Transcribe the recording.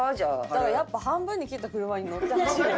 だからやっぱ半分に切った車に乗って走る。